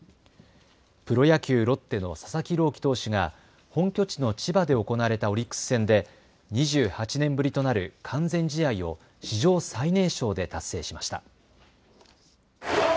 プロ野球、ロッテの佐々木朗希投手が本拠地の千葉で行われたオリックス戦で２８年ぶりとなる完全試合を史上最年少で達成しました。